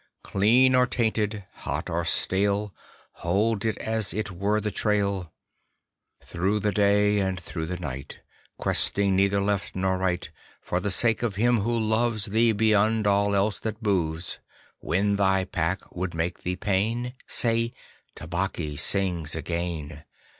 Clean or tainted, hot or stale, Hold it as it were the Trail, Through the day and through the night Questing neither left nor right. For the sake of him who loves Thee beyond all else that moves, When thy Pack would make thee pain, Say: "Tabaqui sings again."